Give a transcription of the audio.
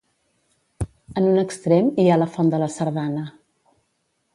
En un extrem hi ha la font de la Sardana.